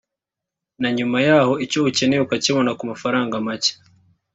na nyuma yaho icyo ukeneye ukakibona ku mafaranga make